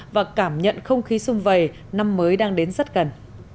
và cảm nhận không khí xung vầy năm mới đang đến rất gần